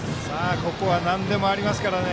ここはなんでもありますからね。